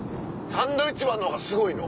サンドウィッチマンの方がすごいの？